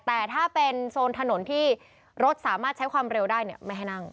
แต่ถ้าเป็นโซนถนนที่รถสามารถใช้ความเร็วได้เนี่ยไม่ให้นั่ง